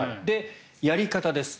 やり方です。